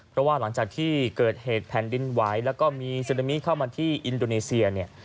เพราะว่าหลังจากที่เกิดเหตุแผ่นดินไหวแล้วก็มีซึนามิเข้ามาที่อินโดนีเซียเนี่ย